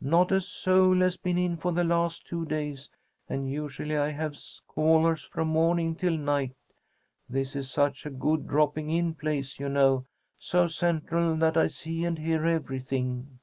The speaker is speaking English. Not a soul has been in for the last two days, and usually I have callers from morning till night. This is such a good dropping in place, you know. So central that I see and hear everything."